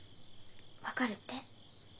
「分かる」って？